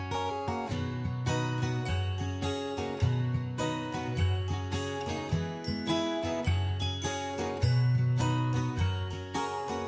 kondisi gizi buruk di antaranya